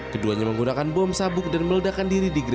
keduanya menggunakan bom sabuk dan meledakan diri di gereja